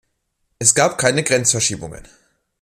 Es gab keine Grenzverschiebungen.